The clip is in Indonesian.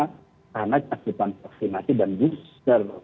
karena cakupan vaksinasi dan booster